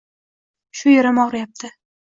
Shu yerim og'riyapti.